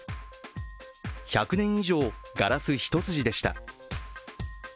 １００年以上、ガラス一筋でした。